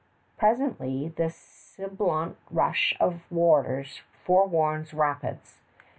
Presently the sibilant rush of waters forewarns rapids.